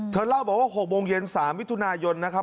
เล่าบอกว่า๖โมงเย็น๓มิถุนายนนะครับ